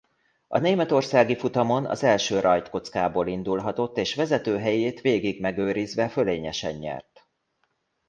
A németországi futamon az első rajtkockából indulhatott és vezető helyét végig megőrizve fölényesen nyert.